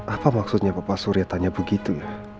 apa maksudnya bapak surya tanya begitu